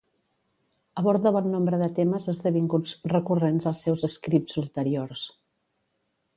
Aborda bon nombre de temes esdevinguts recurrents als seus scripts ulteriors.